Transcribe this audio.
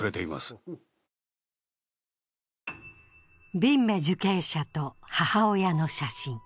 ビンメ受刑者と母親の写真。